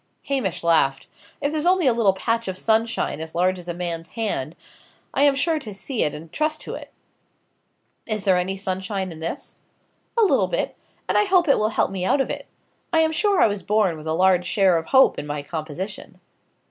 Hamish laughed. "If there's only a little patch of sunshine as large as a man's hand, I am sure to see it and trust to it." "Is there any sunshine in this?" "A little bit: and I hope it will help me out of it. I am sure I was born with a large share of hope in my composition."